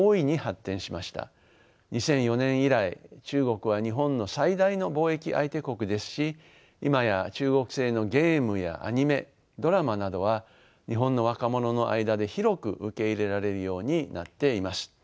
２００４年以来中国は日本の最大の貿易相手国ですし今や中国製のゲームやアニメドラマなどは日本の若者の間で広く受け入れられるようになっています。